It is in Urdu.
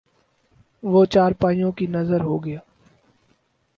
وہ چارپائیوں کی نذر ہو گیا